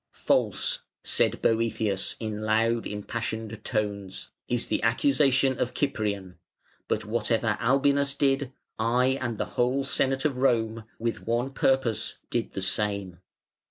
"False", said Boëthius in loud, impassioned tones, "is the accusation of Cyprian; but whatever Albinus did, I and the whole Senate of Rome, with one purpose, did the same.